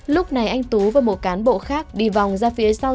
lúc này anh tú và một cán bộ khác đi vòng ra phía sau